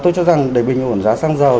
tôi cho rằng để bình ổn giá xăng dầu